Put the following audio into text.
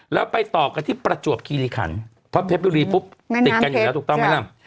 แล้วไปต่อกันที่ประจวบคีริขันเพราะเพชรบุรีปุ๊บติดกันอยู่แล้วถูกต้องไหมล่ะ